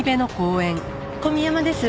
小宮山です。